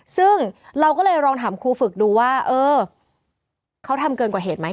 ซึ่งเราก็เลยลองถามครูฝึกดูว่าเออเขาทำเกินกว่าเหตุไหม